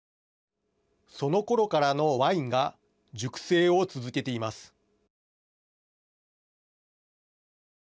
そのころからのワインが熟成を続けています。